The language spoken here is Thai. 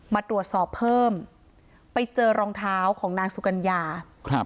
มาตรวจสอบเพิ่มไปเจอรองเท้าของนางสุกัญญาครับ